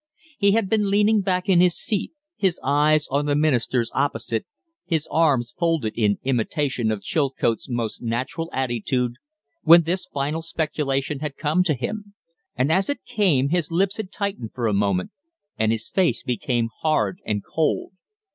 He had been leaning back in his seat, his eyes on the ministers opposite, his arms folded in imitation of Chilcote's most natural attitude, when this final speculation had come to him; and as it came his lips had tightened for a moment and his face become hard and cold.